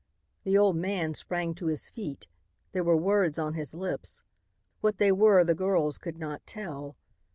The old man sprang to his feet. There were words on his lips. What they were the girls could not tell.